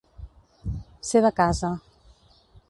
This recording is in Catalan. Ser de casa.